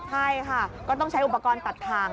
ใช่ค่ะก็ต้องใช้อุปกรณ์ตัดทาง